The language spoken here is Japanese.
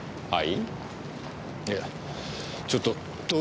はい。